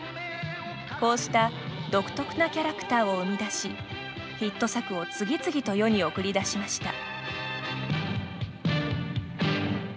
こうした独特なキャラクターを生みだしヒット作を次々と世に送り出しました。